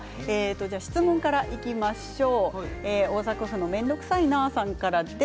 質問からいきましょう。